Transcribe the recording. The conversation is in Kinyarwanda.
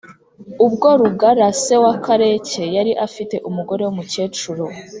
ubwo rugara se wa karake yari afite umugore w’umukecuru